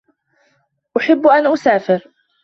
أُحِبُّ أَنْ أُسَافِرَ.